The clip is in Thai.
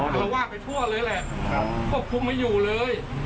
อารวาสไปทั่วเลยแหละควบคุมไม่อยู่เลย